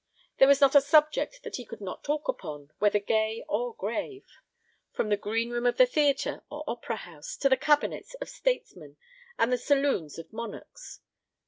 There was not a subject that he could not talk upon, whether gay or grave; from the green room of the theatre or opera house, to the cabinets of statesmen and the saloons of monarchs.